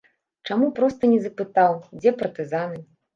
Чаму проста не запытаў, дзе партызаны?